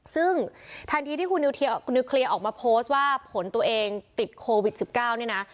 ซึ่งทันทีที่คุณนิวเคลียร์ออกมาโพสต์ว่าผลตัวเองติดโควิด๑๙เนี่ยนะ